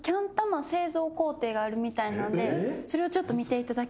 それをちょっと見ていただきます。